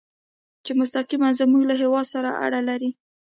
چې مستقیماً زموږ له هېواد سره اړه لري.